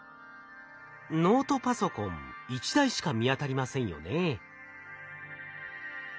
ノートパソコン一台しか見当たりませんよね。